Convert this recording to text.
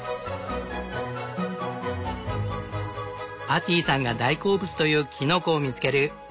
パティさんが大好物というキノコを見つける。